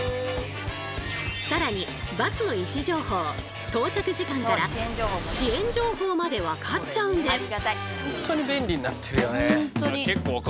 更にバスの位置情報到着時間から遅延情報まで分かっちゃうんです。